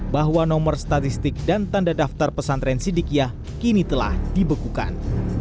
bahwa nomor statistik dan tanda daftar pesantren sidikiyah kini telah dibekukan